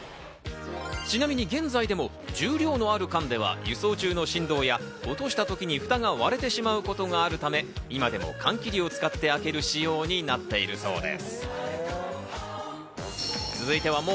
ちなみに現在でも重量のある缶では輸送中の振動や落としたときに、ふたが割れてしまうことがあるため、今でも缶切りを使って開ける仕様になっているそうです。